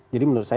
jadi menurut saya